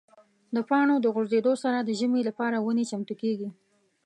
د پاڼو د غورځېدو سره د ژمي لپاره ونې چمتو کېږي.